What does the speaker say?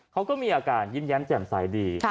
เขาก็มีอาการยิ้มแย้มแจ่มใสดี